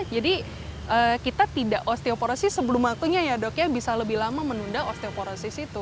jadi kita tidak osteoporosis sebelum waktunya ya dok ya bisa lebih lama menunda osteoporosis itu